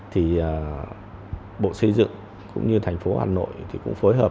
thì bộ xây dựng cũng như thành phố hà nội thì cũng phối hợp